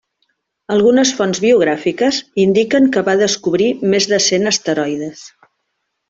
Algunes fonts biogràfiques indiquen que va descobrir més de cent asteroides.